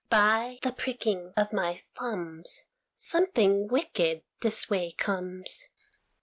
"By the pricking of my thumbs, Something wicked this way comes.